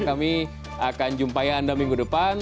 kami akan jumpa ya anda minggu depan